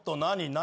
何？